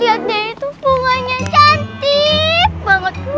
lihat deh tuh bunganya cantik banget tuh